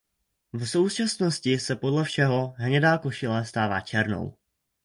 V současnosti se podle všeho hnědá košile stává černou.